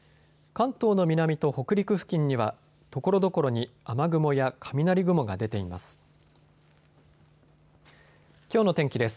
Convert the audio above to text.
関東の南と北陸付近にはところどころに雨雲や雷雲が出ています。